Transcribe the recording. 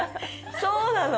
そうなの？